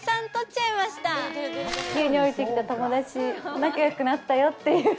地球におりてきた友達、仲よくなったよっていう。